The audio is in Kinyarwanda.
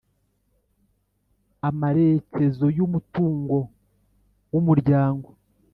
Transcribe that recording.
Amerekezo y Umutungo w umuryango